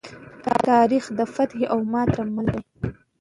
تاریخ د فتحې او ماتې سره مل دی.